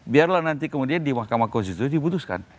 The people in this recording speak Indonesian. biarlah nanti kemudian di mahkamah konstitusi diputuskan